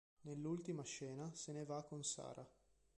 Nell'ultima scena se ne va con Sarah.